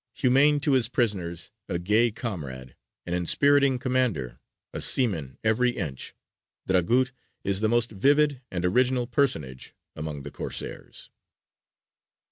Humane to his prisoners, a gay comrade, an inspiriting commander, a seaman every inch, Dragut is the most vivid and original personage among the Corsairs.